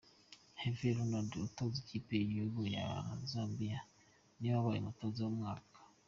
Herve Renard utoza ikipe y’igihugu ya Zambia niwe wabaye umutoza w’umwaka.